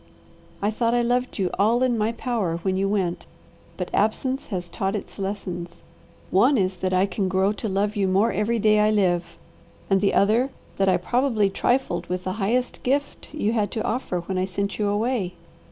I thought I loved you all in my power when you went, but absence has taught its lessons. One is that I can grow to love you more every day I live, and the other that I probably trifled with the highest gift you had to offer, when I sent you away.